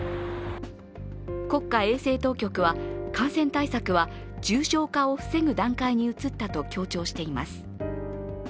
国家衛生当局は感染対策は重症化を防ぐ段階に移ったと強調しています。